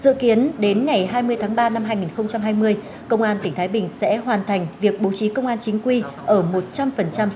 dự kiến đến ngày hai mươi tháng ba năm hai nghìn hai mươi công an tỉnh thái bình sẽ hoàn thành việc bố trí công an chính quy ở một trăm linh số xã trên địa bàn tỉnh